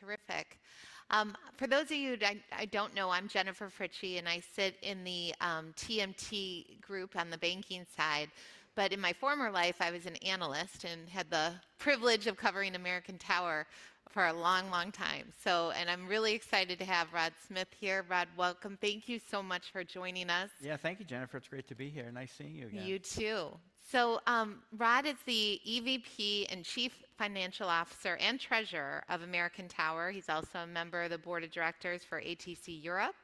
Terrific. For those of you I don't know, I'm Jennifer Fritzsche, and I sit in the TMT group on the banking side. In my former life, I was an analyst and had the privilege of covering American Tower for a long, long time. I'm really excited to have Rod Smith here. Rod, welcome. Thank you so much for joining us. Yeah, thank you, Jennifer. It's great to be here. Nice seeing you again. You too. Rod is the EVP and Chief Financial Officer and Treasurer of American Tower. He's also a member of the Board of Directors for ATC Europe.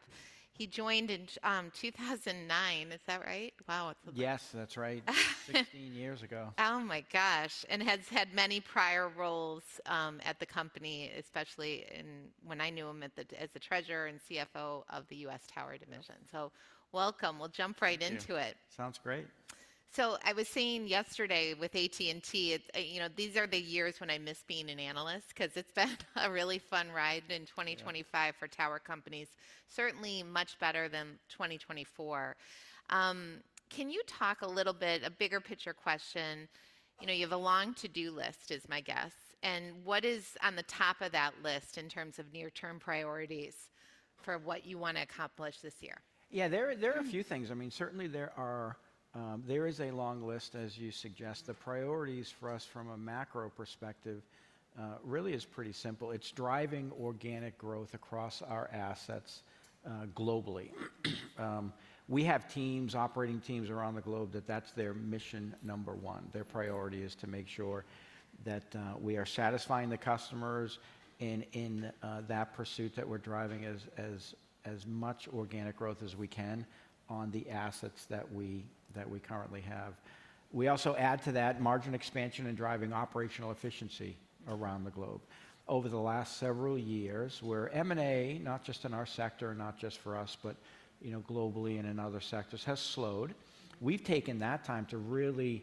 He joined in 2009, is that right? Wow. Yes, that's right. Sixteen years ago. Oh my gosh. He has had many prior roles at the company, especially when I knew him as the Treasurer and CFO of the U.S. Tower Division. Welcome. We'll jump right into it. Sounds great. I was saying yesterday with AT&T, these are the years when I miss being an analyst because it's been a really fun ride in 2025 for tower companies, certainly much better than 2024. Can you talk a little bit, a bigger picture question? You have a long to-do list, is my guess. What is on the top of that list in terms of near-term priorities for what you want to accomplish this year? Yeah, there are a few things. I mean, certainly there is a long list, as you suggest. The priorities for us from a macro perspective really are pretty simple. It's driving organic growth across our assets globally. We have teams, operating teams around the globe that that's their mission number one. Their priority is to make sure that we are satisfying the customers in that pursuit that we're driving as much organic growth as we can on the assets that we currently have. We also add to that margin expansion and driving operational efficiency around the globe. Over the last several years, where M&A, not just in our sector, not just for us, but globally and in other sectors, has slowed, we've taken that time to really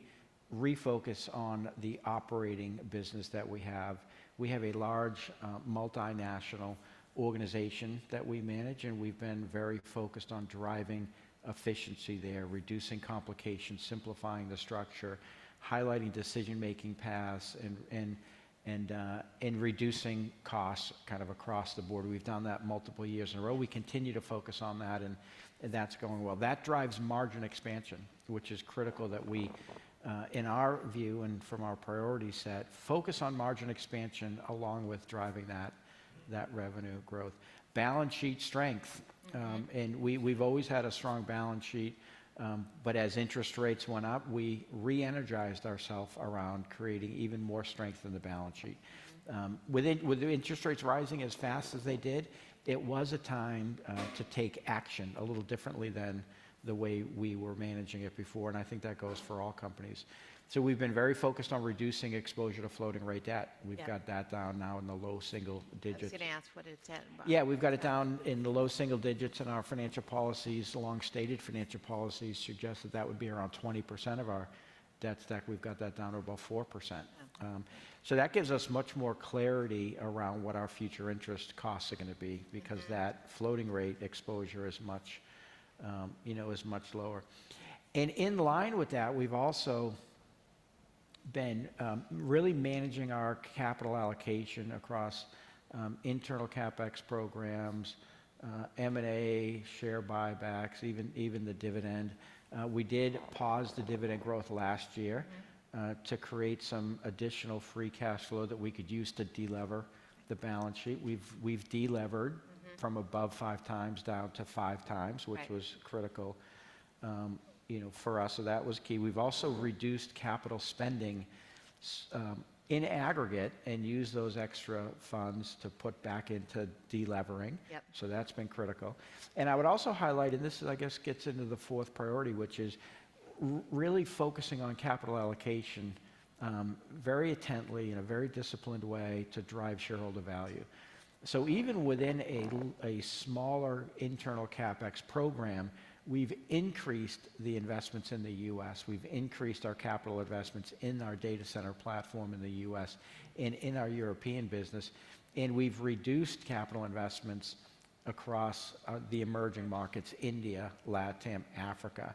refocus on the operating business that we have. We have a large multinational organization that we manage, and we've been very focused on driving efficiency there, reducing complications, simplifying the structure, highlighting decision-making paths, and reducing costs kind of across the board. We've done that multiple years in a row. We continue to focus on that, and that's going well. That drives margin expansion, which is critical that we, in our view and from our priority set, focus on margin expansion along with driving that revenue growth. Balance sheet strength. We've always had a strong balance sheet, but as interest rates went up, we re-energized ourselves around creating even more strength in the balance sheet. With interest rates rising as fast as they did, it was a time to take action a little differently than the way we were managing it before. I think that goes for all companies. We have been very focused on reducing exposure to floating rate debt. We have got that down now in the low single digits. I was going to ask what it's at. Yeah, we've got it down in the low-single digits, and our financial policies, long-stated financial policies, suggest that that would be around 20% of our debt stack. We've got that down to about 4%. That gives us much more clarity around what our future interest costs are going to be because that floating rate exposure is much lower. In line with that, we've also been really managing our capital allocation across internal CapEx programs, M&A, share buybacks, even the dividend. We did pause the dividend growth last year to create some additional free cash flow that we could use to de-lever the balance sheet. We've de-levered from above five times down to five times, which was critical for us. That was key. We've also reduced capital spending in aggregate and used those extra funds to put back into de-levering. That's been critical. I would also highlight, and this is, I guess, gets into the fourth priority, which is really focusing on capital allocation very attentively in a very disciplined way to drive shareholder value. Even within a smaller internal CapEx program, we've increased the investments in the U.S. We've increased our capital investments in our data center platform in the U.S. and in our European business. We've reduced capital investments across the emerging markets, India, LatAm, Africa.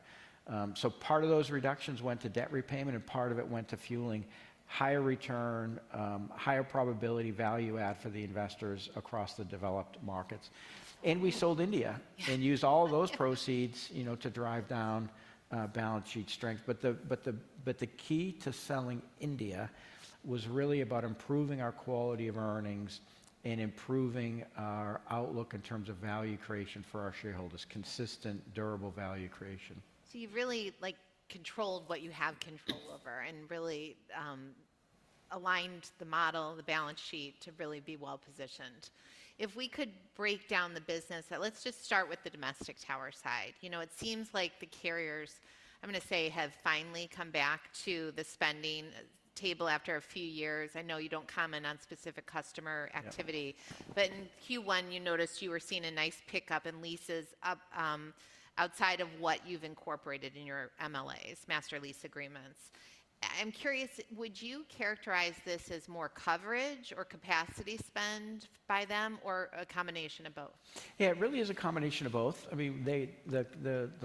Part of those reductions went to debt repayment, and part of it went to fueling higher return, higher probability value add for the investors across the developed markets. We sold India and used all of those proceeds to drive down balance sheet strength. The key to selling India was really about improving our quality of earnings and improving our outlook in terms of value creation for our shareholders, consistent, durable value creation. You have really controlled what you have control over and really aligned the model, the balance sheet to really be well positioned. If we could break down the business, let's just start with the domestic tower side. It seems like the carriers, I'm going to say, have finally come back to the spending table after a few years. I know you do not comment on specific customer activity. In Q1, you noticed you were seeing a nice pickup in leases outside of what you have incorporated in your MLAs, master lease agreements. I'm curious, would you characterize this as more coverage or capacity spend by them or a combination of both? Yeah, it really is a combination of both. I mean, the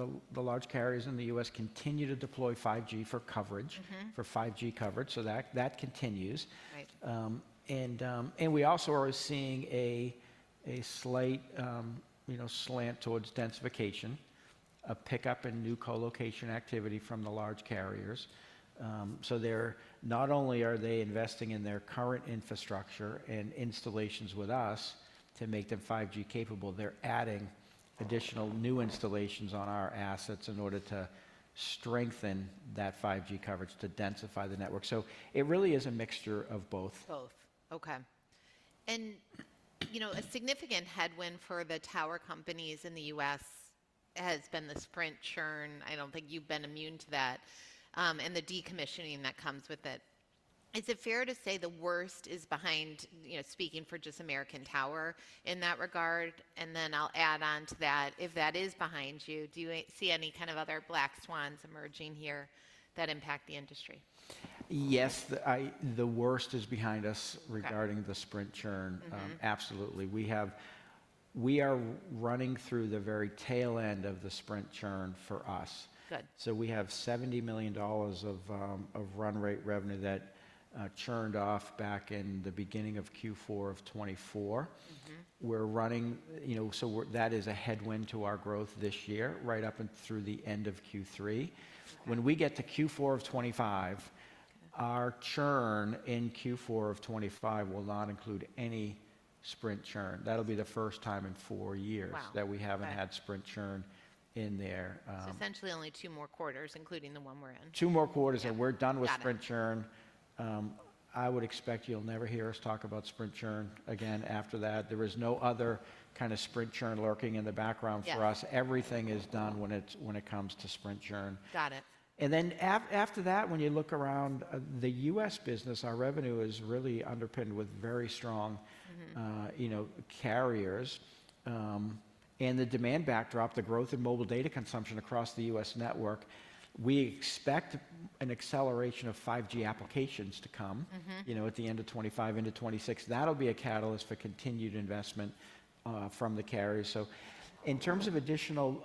large carriers in the U.S. continue to deploy 5G for coverage, for 5G coverage. That continues. We also are seeing a slight slant towards densification, a pickup in new colocation activity from the large carriers. Not only are they investing in their current infrastructure and installations with us to make them 5G capable, they are adding additional new installations on our assets in order to strengthen that 5G coverage to densify the network. It really is a mixture of both. Both. Okay. A significant headwind for the tower companies in the U.S. has been the Sprint churn. I do not think you have been immune to that and the decommissioning that comes with it. Is it fair to say the worst is behind, speaking for just American Tower in that regard? I will add on to that, if that is behind you, do you see any kind of other black swans emerging here that impact the industry? Yes, the worst is behind us regarding the Sprint churn. Absolutely. We are running through the very tail end of the Sprint churn for us. So we have $70 million of run rate revenue that churned off back in the beginning of Q4 of 2024. So that is a headwind to our growth this year, right up and through the end of Q3. When we get to Q4 of 2025, our churn in Q4 of 2025 will not include any Sprint churn. That'll be the first time in four years that we haven't had Sprint churn in there. Essentially only two more quarters, including the one we're in. Two more quarters and we're done with Sprint churn. I would expect you'll never hear us talk about Sprint churn again after that. There is no other kind of Sprint churn lurking in the background for us. Everything is done when it comes to Sprint churn. After that, when you look around the U.S. business, our revenue is really underpinned with very strong carriers. The demand backdrop, the growth in mobile data consumption across the U.S. network, we expect an acceleration of 5G applications to come at the end of 2025, into 2026. That'll be a catalyst for continued investment from the carriers. In terms of additional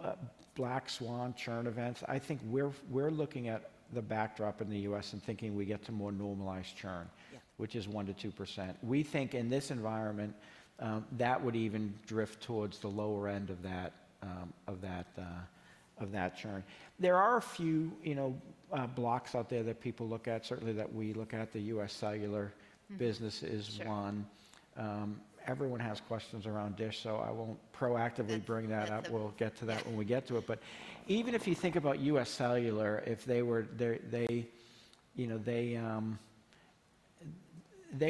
black swan churn events, I think we're looking at the backdrop in the U.S. and thinking we get to more normalized churn, which is 1%-2%. We think in this environment, that would even drift towards the lower end of that churn. There are a few blocks out there that people look at, certainly that we look at. The U.S. Cellular business is one. Everyone has questions around DISH, so I won't proactively bring that up. We'll get to that when we get to it. Even if you think about U.S. Cellular, they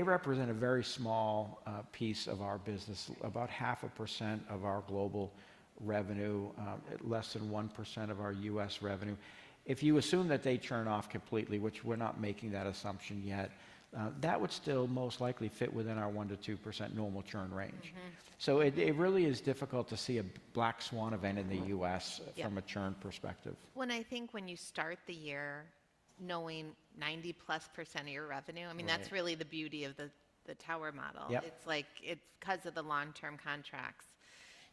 represent a very small piece of our business, about half a percent of our global revenue, less than 1% of our U.S. revenue. If you assume that they churn off completely, which we're not making that assumption yet, that would still most likely fit within our 1%-2% normal churn range. It really is difficult to see a black swan event in the U.S. from a churn perspective. I think when you start the year knowing 90%+ of your revenue, I mean, that's really the beauty of the tower model. It's because of the long-term contracts.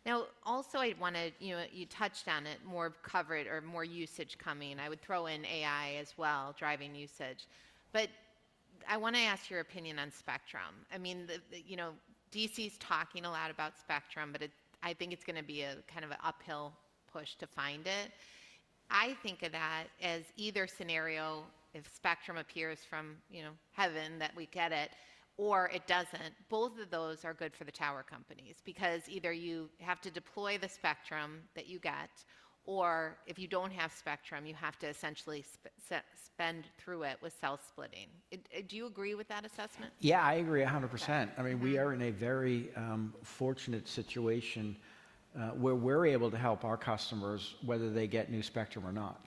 Now, also, I want to, you touched on it, more coverage or more usage coming. I would throw in AI as well, driving usage. I want to ask your opinion on spectrum. I mean, DC is talking a lot about spectrum, but I think it's going to be kind of an uphill push to find it. I think of that as either scenario, if spectrum appears from heaven, that we get it, or it doesn't. Both of those are good for the tower companies because either you have to deploy the spectrum that you get, or if you don't have spectrum, you have to essentially spend through it with cell splitting. Do you agree with that assessment? Yeah, I agree 100%. I mean, we are in a very fortunate situation where we're able to help our customers, whether they get new spectrum or not,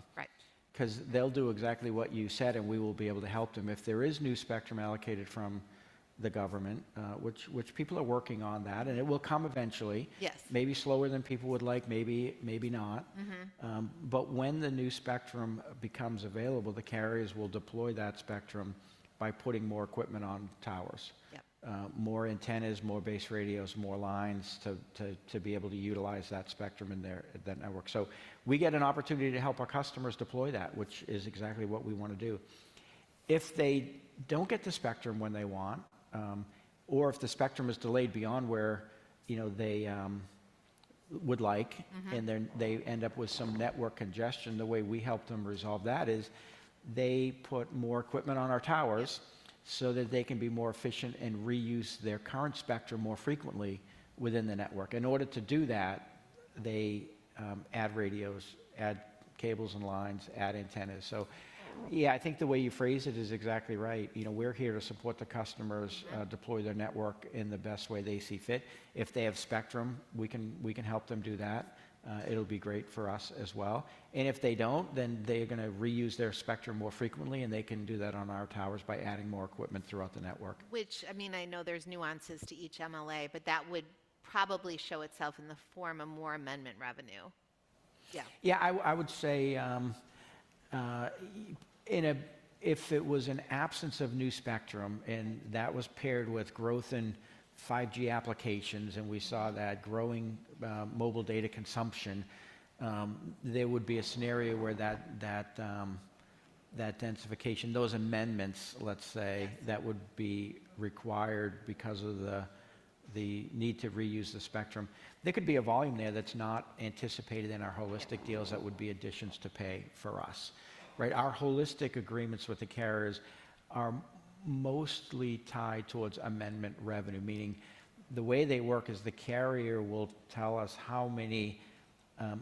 because they'll do exactly what you said, and we will be able to help them if there is new spectrum allocated from the government, which people are working on that. It will come eventually, maybe slower than people would like, maybe not. When the new spectrum becomes available, the carriers will deploy that spectrum by putting more equipment on towers, more antennas, more base radios, more lines to be able to utilize that spectrum in their network. We get an opportunity to help our customers deploy that, which is exactly what we want to do. If they do not get the spectrum when they want, or if the spectrum is delayed beyond where they would like and they end up with some network congestion, the way we help them resolve that is they put more equipment on our towers so that they can be more efficient and reuse their current spectrum more frequently within the network. In order to do that, they add radios, add cables and lines, add antennas. Yeah, I think the way you phrase it is exactly right. We are here to support the customers deploy their network in the best way they see fit. If they have spectrum, we can help them do that. It will be great for us as well. If they do not, then they are going to reuse their spectrum more frequently, and they can do that on our towers by adding more equipment throughout the network. Which, I mean, I know there's nuances to each MLA, but that would probably show itself in the form of more amendment revenue. Yeah. Yeah, I would say if it was an absence of new spectrum and that was paired with growth in 5G applications and we saw that growing mobile data consumption, there would be a scenario where that densification, those amendments, let's say, that would be required because of the need to reuse the spectrum. There could be a volume there that's not anticipated in our holistic deals that would be additions to pay for us. Our holistic agreements with the carriers are mostly tied towards amendment revenue, meaning the way they work is the carrier will tell us how many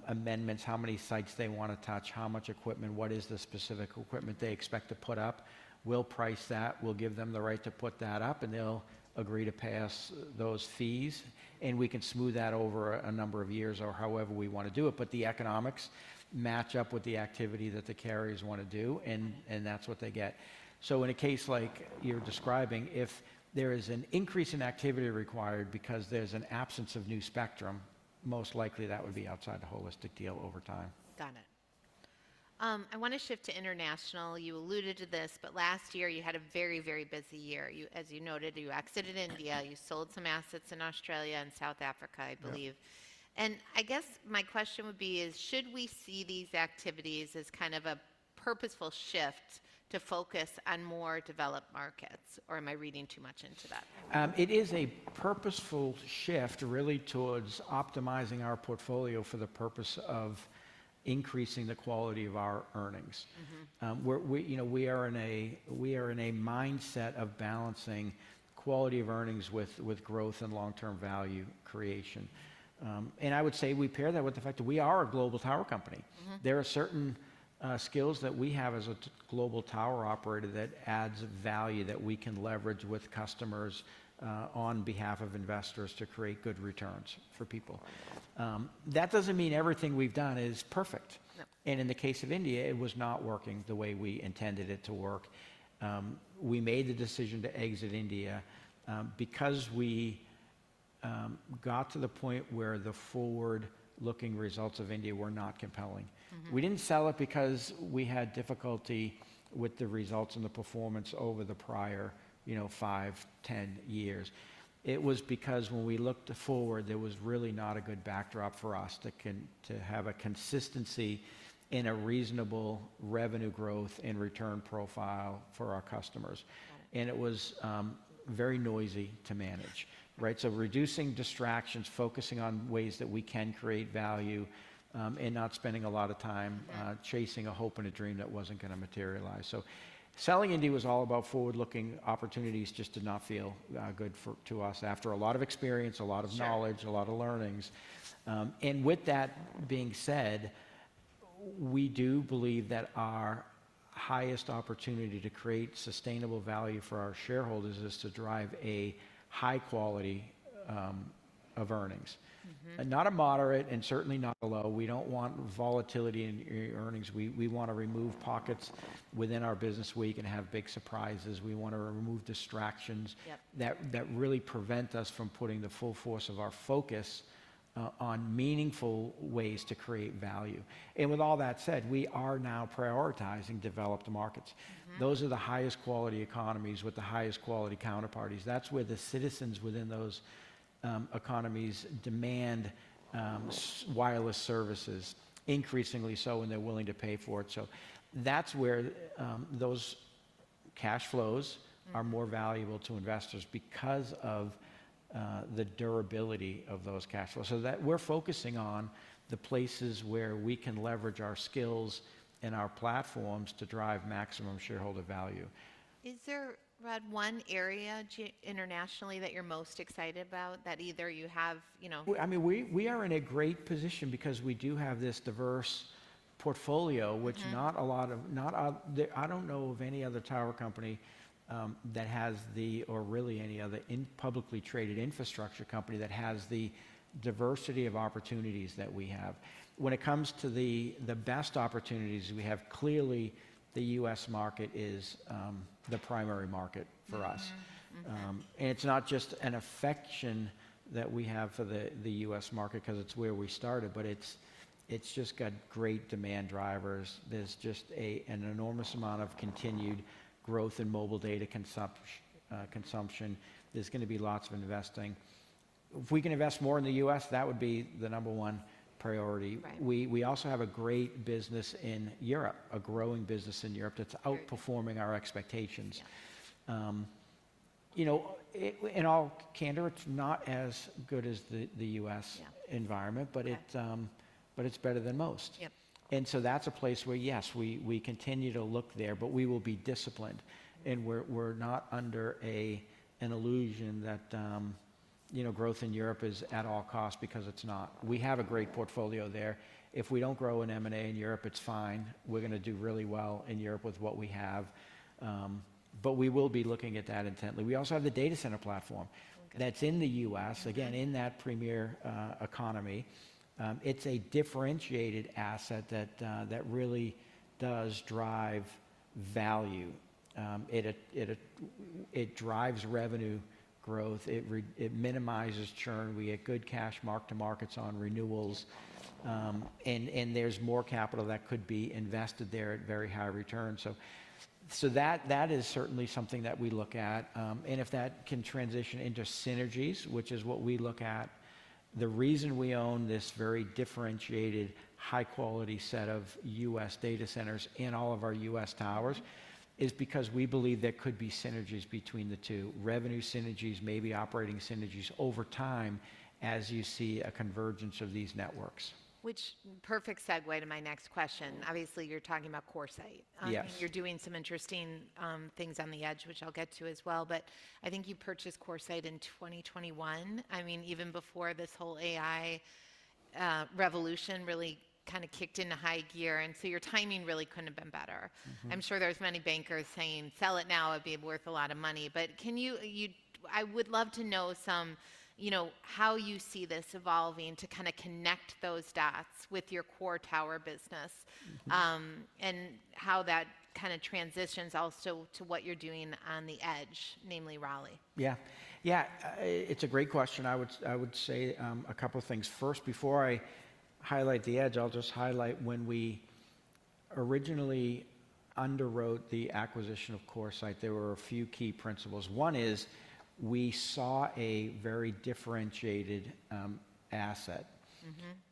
amendments, how many sites they want to touch, how much equipment, what is the specific equipment they expect to put up, we'll price that, we'll give them the right to put that up, and they'll agree to pay us those fees. We can smooth that over a number of years or however we want to do it. The economics match up with the activity that the carriers want to do, and that's what they get. In a case like you're describing, if there is an increase in activity required because there's an absence of new spectrum, most likely that would be outside the holistic deal over time. Got it. I want to shift to international. You alluded to this, but last year you had a very, very busy year. As you noted, you exited India, you sold some assets in Australia and South Africa, I believe. I guess my question would be, should we see these activities as kind of a purposeful shift to focus on more developed markets, or am I reading too much into that? It is a purposeful shift really towards optimizing our portfolio for the purpose of increasing the quality of our earnings. We are in a mindset of balancing quality of earnings with growth and long-term value creation. I would say we pair that with the fact that we are a global tower company. There are certain skills that we have as a global tower operator that adds value that we can leverage with customers on behalf of investors to create good returns for people. That does not mean everything we have done is perfect. In the case of India, it was not working the way we intended it to work. We made the decision to exit India because we got to the point where the forward-looking results of India were not compelling. We did not sell it because we had difficulty with the results and the performance over the prior 5, 10 years. It was because when we looked forward, there was really not a good backdrop for us to have a consistency in a reasonable revenue growth and return profile for our customers. It was very noisy to manage. Reducing distractions, focusing on ways that we can create value, and not spending a lot of time chasing a hope and a dream that was not going to materialize. Selling India was all about forward-looking opportunities just did not feel good to us after a lot of experience, a lot of knowledge, a lot of learnings. With that being said, we do believe that our highest opportunity to create sustainable value for our shareholders is to drive a high quality of earnings, not a moderate and certainly not a low. We do not want volatility in your earnings. We want to remove pockets within our business where we can have big surprises. We want to remove distractions that really prevent us from putting the full force of our focus on meaningful ways to create value. With all that said, we are now prioritizing developed markets. Those are the highest quality economies with the highest quality counterparties. That is where the citizens within those economies demand wireless services, increasingly so when they are willing to pay for it. That is where those cash flows are more valuable to investors because of the durability of those cash flows. We are focusing on the places where we can leverage our skills and our platforms to drive maximum shareholder value. Is there, Rod, one area internationally that you're most excited about that either you have? I mean, we are in a great position because we do have this diverse portfolio, which not a lot of, I do not know of any other tower company that has the, or really any other publicly traded infrastructure company that has the diversity of opportunities that we have. When it comes to the best opportunities we have, clearly the U.S. market is the primary market for us. It is not just an affection that we have for the U.S. market because it is where we started, but it has just got great demand drivers. There is just an enormous amount of continued growth in mobile data consumption. There is going to be lots of investing. If we can invest more in the U.S., that would be the number one priority. We also have a great business in Europe, a growing business in Europe that is outperforming our expectations. In all candor, it's not as good as the U.S. environment, but it's better than most. That's a place where, yes, we continue to look there, but we will be disciplined. We're not under an illusion that growth in Europe is at all costs because it's not. We have a great portfolio there. If we don't grow in M&A in Europe, it's fine. We're going to do really well in Europe with what we have. We will be looking at that intently. We also have the data center platform that's in the U.S., again, in that premier economy. It's a differentiated asset that really does drive value. It drives revenue growth. It minimizes churn. We get good cash mark-to-markets on renewals. There's more capital that could be invested there at very high returns. That is certainly something that we look at. If that can transition into synergies, which is what we look at, the reason we own this very differentiated, high-quality set of U.S. data centers in all of our U.S. towers is because we believe there could be synergies between the two, revenue synergies, maybe operating synergies over time as you see a convergence of these networks. Which is a perfect segue to my next question. Obviously, you're talking about CoreSite. You're doing some interesting things on the edge, which I'll get to as well. I think you purchased CoreSite in 2021. I mean, even before this whole AI revolution really kind of kicked into high gear. Your timing really couldn't have been better. I'm sure there's many bankers saying, "Sell it now, it'd be worth a lot of money." I would love to know how you see this evolving to kind of connect those dots with your core tower business and how that kind of transitions also to what you're doing on the edge, namely Raleigh. Yeah. Yeah, it's a great question. I would say a couple of things. First, before I highlight the edge, I'll just highlight when we originally underwrote the acquisition of CoreSite, there were a few key principles. One is we saw a very differentiated asset.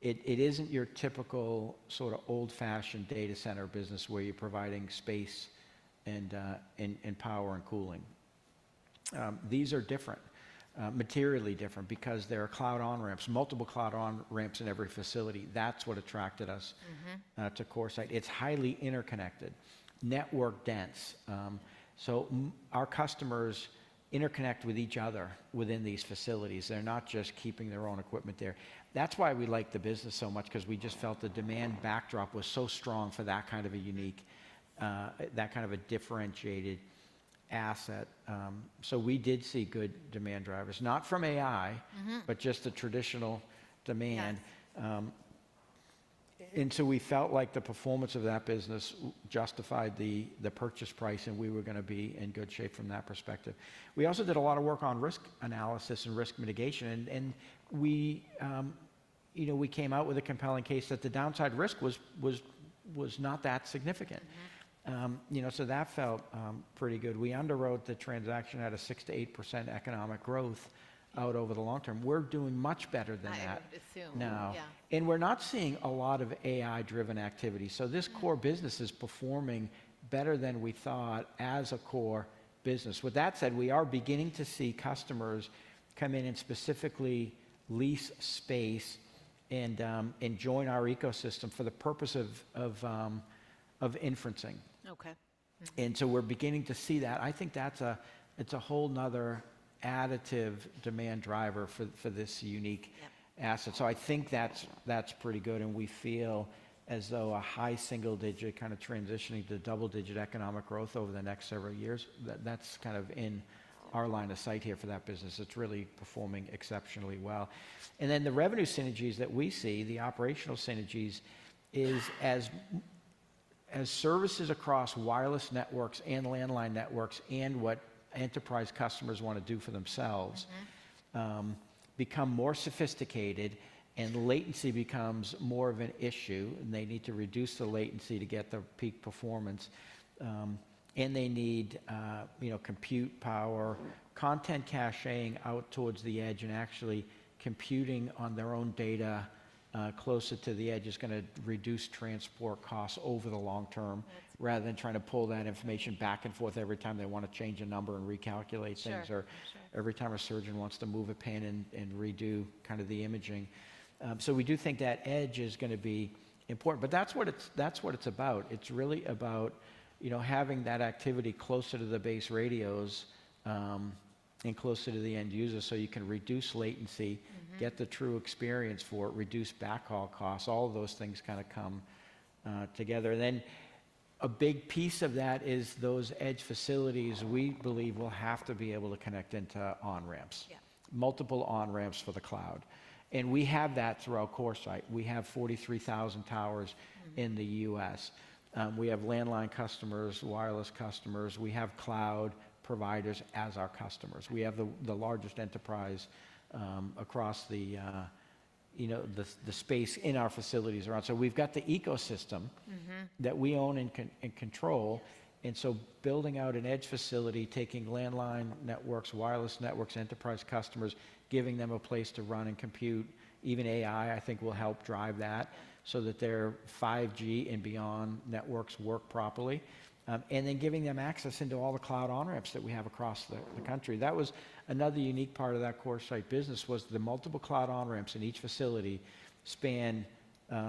It isn't your typical sort of old-fashioned data center business where you're providing space and power and cooling. These are different, materially different because there are cloud on-ramps, multiple cloud on-ramps in every facility. That's what attracted us to CoreSite. It's highly interconnected, network dense. Our customers interconnect with each other within these facilities. They're not just keeping their own equipment there. That's why we liked the business so much because we just felt the demand backdrop was so strong for that kind of a unique, that kind of a differentiated asset. We did see good demand drivers, not from AI, but just the traditional demand. We felt like the performance of that business justified the purchase price and we were going to be in good shape from that perspective. We also did a lot of work on risk analysis and risk mitigation. We came out with a compelling case that the downside risk was not that significant. That felt pretty good. We underwrote the transaction at a 6%-8% economic growth out over the long term. We're doing much better than that now. I would assume. We're not seeing a lot of AI-driven activity. This core business is performing better than we thought as a core business. With that said, we are beginning to see customers come in and specifically lease space and join our ecosystem for the purpose of inferencing. We're beginning to see that. I think that's a whole 'nother additive demand driver for this unique asset. I think that's pretty good. We feel as though a high single-digit kind of transitioning to double-digit economic growth over the next several years, that's kind of in our line of sight here for that business. It's really performing exceptionally well. The revenue synergies that we see, the operational synergies, is as services across wireless networks and landline networks and what enterprise customers want to do for themselves become more sophisticated and latency becomes more of an issue and they need to reduce the latency to get the peak performance. They need compute power, content caching out towards the edge and actually computing on their own data closer to the edge is going to reduce transport costs over the long term rather than trying to pull that information back and forth every time they want to change a number and recalculate things or every time a surgeon wants to move a pin and redo kind of the imaging. We do think that edge is going to be important. That is what it is about. It's really about having that activity closer to the base radios and closer to the end user so you can reduce latency, get the true experience for it, reduce backhaul costs, all of those things kind of come together. A big piece of that is those edge facilities we believe will have to be able to connect into on-ramps, multiple on-ramps for the cloud. We have that throughout CoreSite. We have 43,000 towers in the U.S. We have landline customers, wireless customers. We have cloud providers as our customers. We have the largest enterprise across the space in our facilities around. We have got the ecosystem that we own and control. Building out an edge facility, taking landline networks, wireless networks, enterprise customers, giving them a place to run and compute, even AI, I think will help drive that so that their 5G and beyond networks work properly. Giving them access into all the cloud on-ramps that we have across the country was another unique part of that CoreSite business. The multiple cloud on-ramps in each facility spanned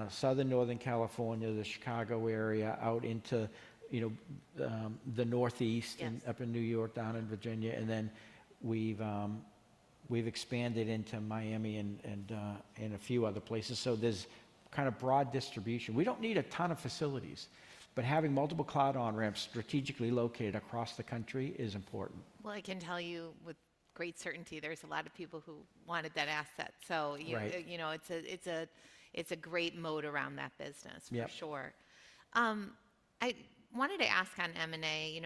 southern Northern California, the Chicago area, out into the northeast and up in New York, down in Virginia. We have expanded into Miami and a few other places. There is kind of broad distribution. We do not need a ton of facilities, but having multiple cloud on-ramps strategically located across the country is important. I can tell you with great certainty there's a lot of people who wanted that asset. It's a great moat around that business, for sure. I wanted to ask on M&A,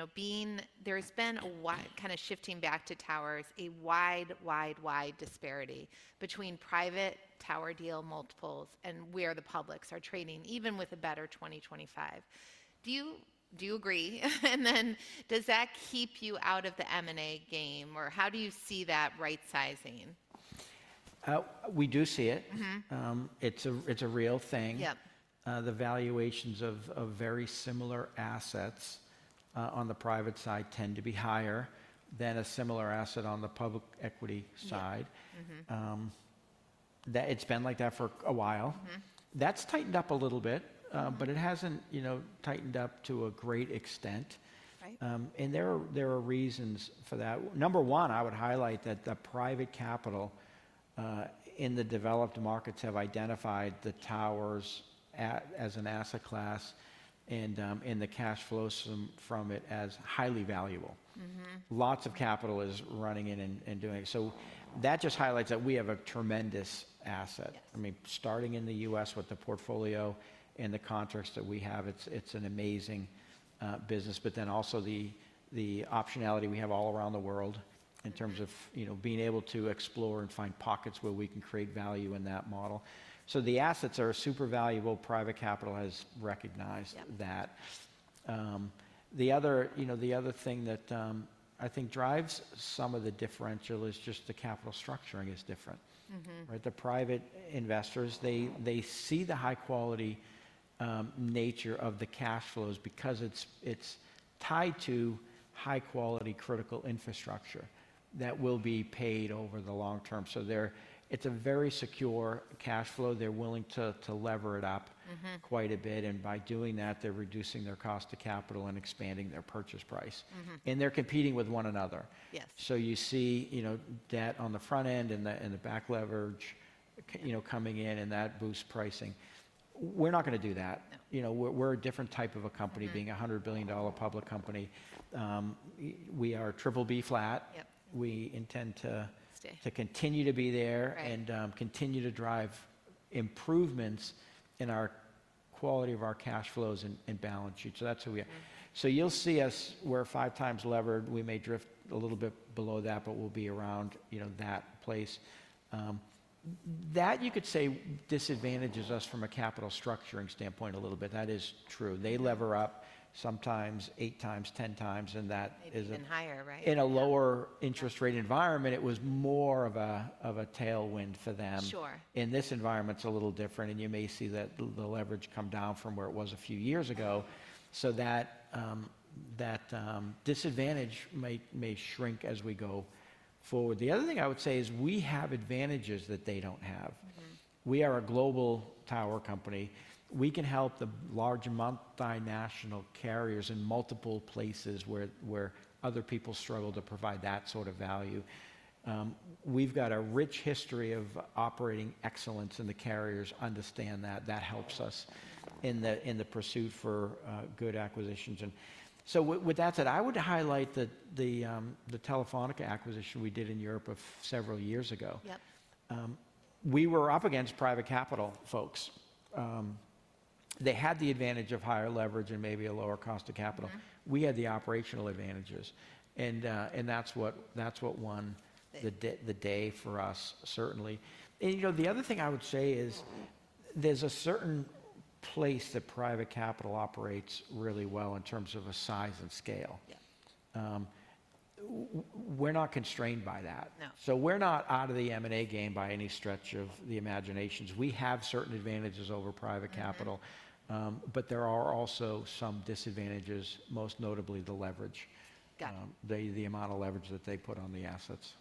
there's been a kind of shifting back to towers, a wide, wide, wide disparity between private tower deal multiples and where the publics are trading, even with a better 2025. Do you agree? Does that keep you out of the M&A game? How do you see that right-sizing? We do see it. It's a real thing. The valuations of very similar assets on the private side tend to be higher than a similar asset on the public equity side. It's been like that for a while. That's tightened up a little bit, but it hasn't tightened up to a great extent. There are reasons for that. Number one, I would highlight that the private capital in the developed markets have identified the towers as an asset class and the cash flows from it as highly valuable. Lots of capital is running in and doing it. That just highlights that we have a tremendous asset. I mean, starting in the U.S. with the portfolio and the contracts that we have, it's an amazing business. Then also the optionality we have all around the world in terms of being able to explore and find pockets where we can create value in that model. The assets are super valuable. Private capital has recognized that. The other thing that I think drives some of the differential is just the capital structuring is different. The private investors, they see the high-quality nature of the cash flows because it is tied to high-quality critical infrastructure that will be paid over the long term. It is a very secure cash flow. They are willing to lever it up quite a bit. By doing that, they are reducing their cost of capital and expanding their purchase price. They are competing with one another. You see debt on the front-end and the back leverage coming in, and that boosts pricing. We are not going to do that. We're a different type of a company being a $100 billion public company. We are BBB flat. We intend to continue to be there and continue to drive improvements in the quality of our cash flows and balance sheets. That is who we are. You'll see us, we're five times levered. We may drift a little bit below that, but we'll be around that place. That you could say disadvantages us from a capital structuring standpoint a little bit. That is true. They lever up sometimes eight times, ten times, and that isn't. Even higher, right? In a lower interest rate environment, it was more of a tailwind for them. In this environment, it is a little different. You may see that the leverage come down from where it was a few years ago. That disadvantage may shrink as we go forward. The other thing I would say is we have advantages that they do not have. We are a global tower company. We can help the large multinational carriers in multiple places where other people struggle to provide that sort of value. We have got a rich history of operating excellence, and the carriers understand that. That helps us in the pursuit for good acquisitions. With that said, I would highlight the telephonic acquisition we did in Europe several years ago. We were up against private capital folks. They had the advantage of higher leverage and maybe a lower cost of capital. We had the operational advantages. That is what won the day for us, certainly. The other thing I would say is there is a certain place that private capital operates really well in terms of a size and scale. We are not constrained by that. We are not out of the M&A game by any stretch of the imagination. We have certain advantages over private capital, but there are also some disadvantages, most notably the leverage, the amount of leverage that they put on the assets.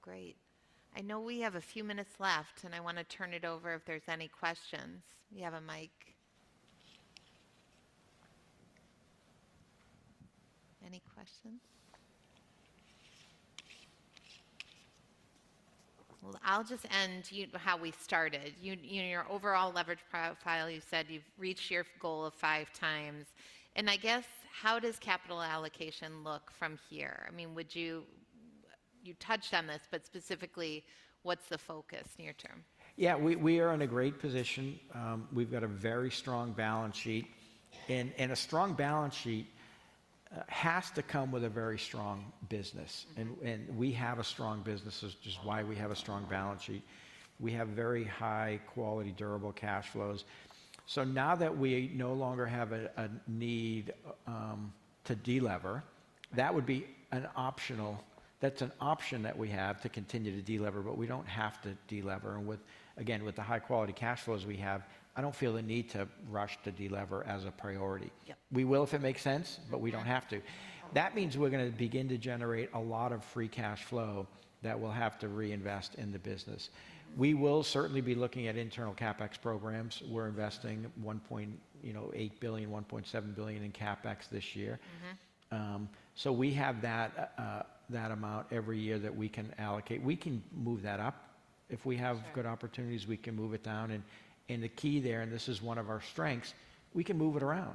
Great. I know we have a few minutes left, and I want to turn it over if there's any questions. You have a mic. Any questions? I'll just end how we started. Your overall leverage profile, you said you've reached your goal of five times. I guess how does capital allocation look from here? I mean, you touched on this, but specifically, what's the focus near term? Yeah, we are in a great position. We've got a very strong balance sheet. A strong balance sheet has to come with a very strong business. We have a strong business, which is why we have a strong balance sheet. We have very high-quality, durable cash flows. Now that we no longer have a need to de-lever, that would be optional. That's an option that we have to continue to de-lever, but we don't have to de-lever. Again, with the high-quality cash flows we have, I don't feel the need to rush to de-lever as a priority. We will if it makes sense, but we don't have to. That means we're going to begin to generate a lot of free cash flow that we'll have to reinvest in the business. We will certainly be looking at internal CapEx programs. We're investing $1.8 billion, $1.7 billion in CapEx this year. We have that amount every year that we can allocate. We can move that up if we have good opportunities, we can move it down. The key there, and this is one of our strengths, we can move it around.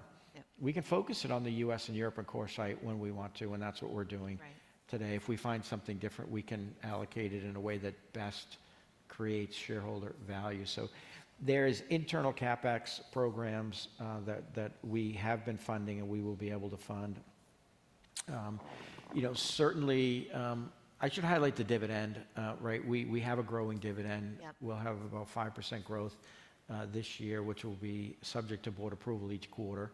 We can focus it on the U.S. and Europe and CoreSite when we want to, and that's what we're doing today. If we find something different, we can allocate it in a way that best creates shareholder value. There is internal CapEx programs that we have been funding and we will be able to fund. Certainly, I should highlight the dividend. We have a growing dividend. We'll have about 5% growth this year, which will be subject to board approval each quarter.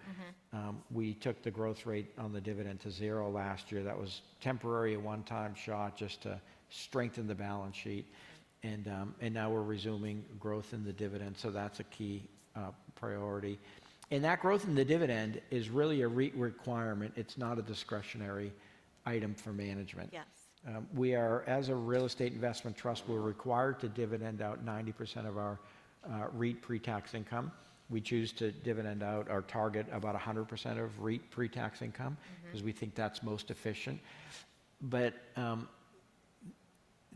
We took the growth rate on the dividend to zero last year. That was temporary, a one-time shot just to strengthen the balance sheet. Now we're resuming growth in the dividend. That's a key priority. That growth in the dividend is really a REIT requirement. It's not a discretionary item for management. We are, as a real estate investment trust, required to dividend out 90% of our REIT pre-tax income. We choose to dividend out our target, about 100% of REIT pre-tax income, because we think that's most efficient.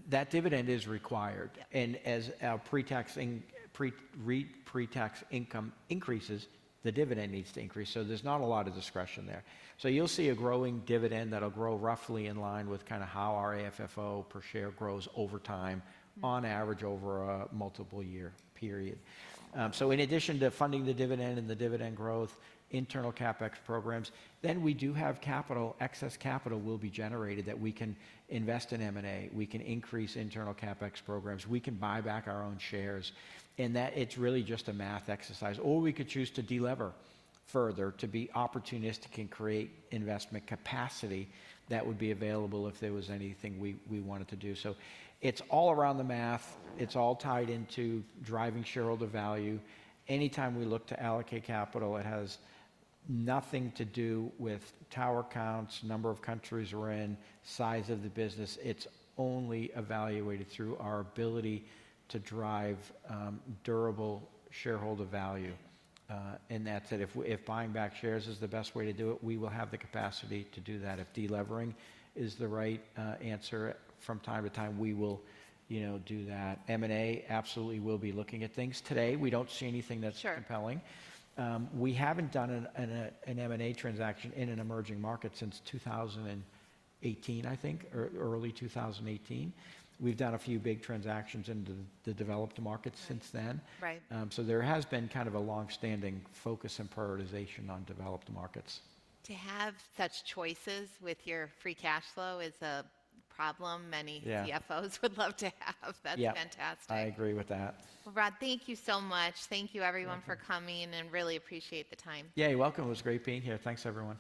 That dividend is required. As our REIT pre-tax income increases, the dividend needs to increase. There's not a lot of discretion there. You'll see a growing dividend that'll grow roughly in line with kind of how our AFFO per share grows over time, on average, over a multiple-year period. In addition to funding the dividend and the dividend growth, internal CapEx programs, then we do have capital, excess capital will be generated that we can invest in M&A. We can increase internal CapEx programs. We can buy back our own shares. It is really just a math exercise. We could choose to de-lever further to be opportunistic and create investment capacity that would be available if there was anything we wanted to do. It is all around the math. It is all tied into driving shareholder value. Anytime we look to allocate capital, it has nothing to do with tower counts, number of countries we are in, size of the business. It is only evaluated through our ability to drive durable shareholder value. That is it. If buying back shares is the best way to do it, we will have the capacity to do that. If de-levering is the right answer from time to time, we will do that. M&A absolutely will be looking at things. Today, we do not see anything that is compelling. We have not done an M&A transaction in an emerging market since 2018, I think, or early 2018. We have done a few big transactions into the developed markets since then. There has been kind of a long-standing focus and prioritization on developed markets. To have such choices with your free cash flow is a problem many CFOs would love to have. That's fantastic. Yeah, I agree with that. Rod, thank you so much. Thank you, everyone, for coming and really appreciate the time. Yeah, you're welcome. It was great being here. Thanks, everyone.